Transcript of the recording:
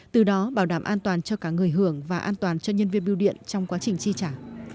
từ đó bảo đảm an toàn cho cả người hưởng và an toàn cho nhân viên biêu điện trong quá trình chi trả